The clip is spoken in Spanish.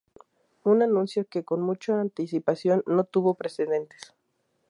Un anuncio que con mucha anticipación no tuvo precedentes.